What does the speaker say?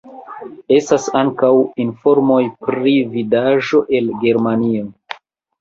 Estas ankaŭ informoj pri vidaĵo el Germanio.